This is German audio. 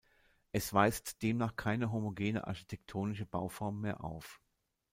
Es weist demnach keine homogene architektonische Bauform mehr auf.